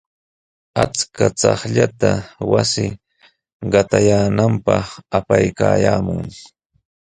Achka chaqllata wasi qatayaananpaq apaykaayaamun.